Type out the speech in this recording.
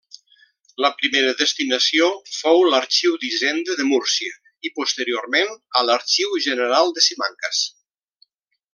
La primera destinació fou l'Arxiu d'Hisenda de Múrcia i posteriorment a l'Arxiu General de Simancas.